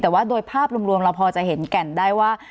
แต่ว่าโดยภาพรวมเราพอจะเห็นแก่นได้ว่า